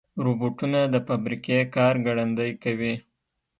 روبوټونه د فابریکې کار ګړندي کوي.